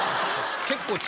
結構。